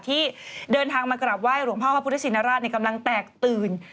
ที่เดินทางมากราบไห้หลวงพ่อพระพุทธชินราชกำลังแตกตื่น